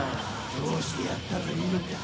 どうしてやったらいいのか。